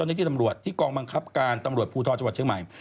กับนักลิทธิตำรวจที่กองบังคับการตำรวจภูทฟ์จบันเชียงไม่